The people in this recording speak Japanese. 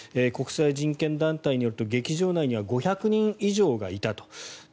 国際人権団体によって劇場内には５００人以上がいたと。